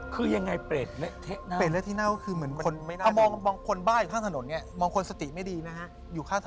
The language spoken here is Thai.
คุณก็คิดเมื่อก็จะบอกว่าเปรตก็มาขอส่วนบุญภูมิ